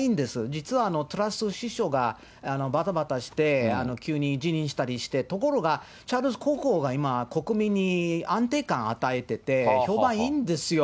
実はトラス首相がばたばたして、急に辞任したりして、ところが、チャールズ国王が今、国民に安定感与えてて、評判いいんですよ。